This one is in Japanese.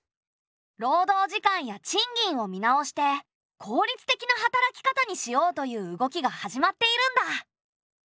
労働時間や賃金を見直して効率的な働き方にしようという動きが始まっているんだ。